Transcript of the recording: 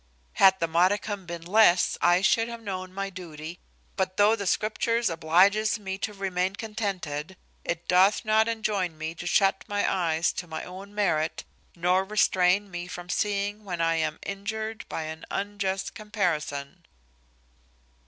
Had the modicum been less, I should have known my duty. But though the Scriptures obliges me to remain contented, it doth not enjoin me to shut my eyes to my own merit, nor restrain me from seeing when I am injured by an unjust comparison."